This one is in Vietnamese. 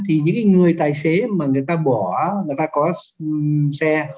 thì những người tài xế mà người ta bỏ người ta có xe